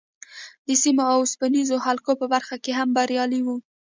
د سیمونو او اوسپنیزو حلقو په برخه کې هم بریالی و